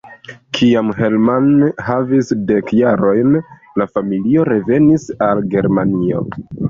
Kiam Hermann havis dek jarojn, la familio revenis al Germanio.